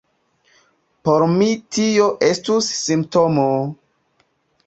Por mi tio estus simptomo!